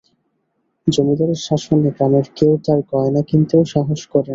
জমিদারের শাসনে গ্রামের কেউ তার গয়না কিনতেও সাহস করে না।